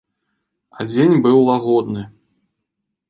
А дзень быў лагодны.